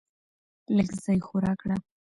لږ ځای خو راکړه .